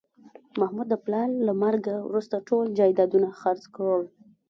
محمود د پلار له مرګه وروسته ټول جایدادونه خرڅ کړل